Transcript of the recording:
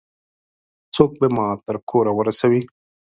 څوک به ما تر کوره ورسوي؟